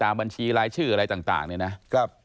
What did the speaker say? ตามบัญชีรายชื่ออะไรต่างนี่นะ